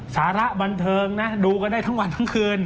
สาระบันเทิงนะดูกันได้ทั้งวันทั้งคืน